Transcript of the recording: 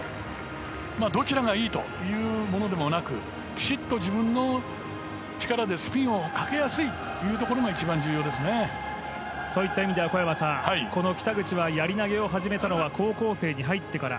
どちらがいいというものでもなくきちんと自分の力でスピンをかけやすいということがそういった意味では小山さん、北口はやり投げを始めたのは高校生に入ってから。